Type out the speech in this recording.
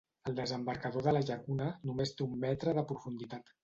El desembarcador de la llacuna només té un metre de profunditat.